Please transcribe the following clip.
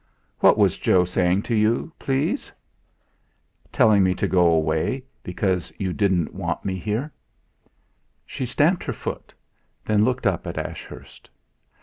"What was Joe saying to you, please?" "Telling me to go away, because you didn't want me here." She stamped her foot; then looked up at Ashurst.